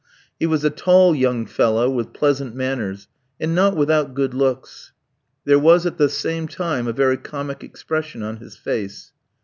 He was a tall young fellow, with pleasant manners, and not without good looks. There was at the same time a very comic expression on his face.